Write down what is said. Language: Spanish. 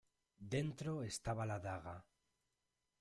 Dentro estaba la daga.